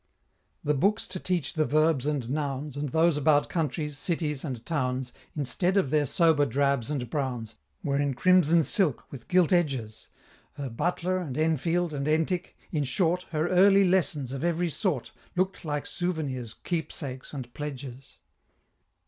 The books to teach the verbs and nouns, And those about countries, cities, and towns, Instead of their sober drabs and browns, Were in crimson silk, with gilt edges; Her Butler, and Enfield, and Entick in short Her "Early Lessons" of every sort, Look'd like Souvenirs, Keepsakes, and Pledges.